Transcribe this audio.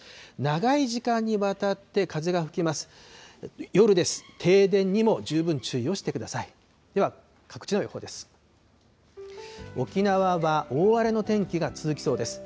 長い時間にわたって風が吹きます。